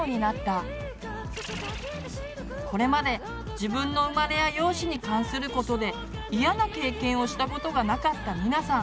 これまで自分の生まれや容姿に関することで嫌な経験をしたことがなかったミナさん。